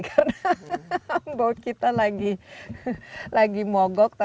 karena bau kita lagi mogok